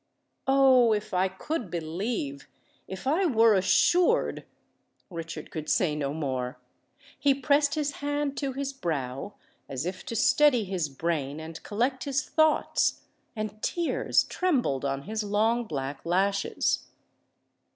"Oh! if I could believe—if I were assured——" Richard could say no more: he pressed his hand to his brow, as if to steady his brain and collect his thoughts; and tears trembled on his long black lashes.